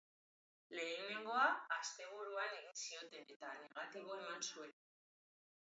Lehenengoa asteburuan egin zioten, eta negatibo eman zuen.